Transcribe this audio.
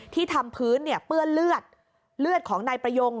ที่ทำพื้นเนี่ยเปื้อนเลือดเลือดของนายประยง